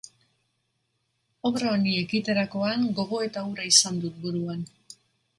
Obra honi ekiterakoan, gogoeta hura izan dut buruan.